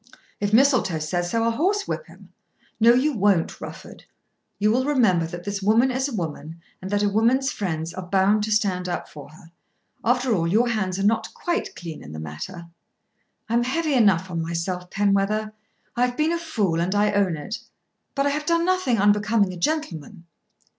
"If Mistletoe says so I'll horsewhip him." "No you won't, Rufford. You will remember that this woman is a woman, and that a woman's friends are bound to stand up for her. After all your hands are not quite clean in the matter." "I am heavy enough on myself, Penwether. I have been a fool and I own it. But I have done nothing unbecoming a gentleman."